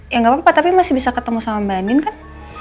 ya nggak apa apa tapi masih bisa ketemu sama mbak nin kan